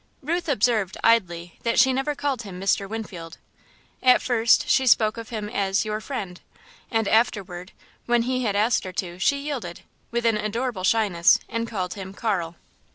Ruth observed, idly, that she never called him "Mr. Winfield." At first she spoke of him as "your friend" and afterward, when he had asked her to, she yielded, with an adorable shyness, and called him Carl.